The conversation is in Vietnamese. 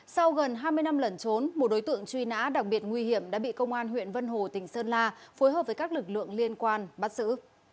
sau gần hai mươi năm lẩn trốn một đối tượng truy nã đặc biệt nguy hiểm đã bị công an huyện vân hồ tỉnh sơn la phối hợp với các lực lượng liên quan bắt xử